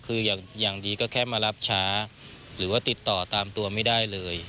คืออย่างดีก็แค่มารับช้าหรือว่าติดต่อตามตัวไม่ได้เลย